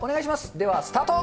ではスタート。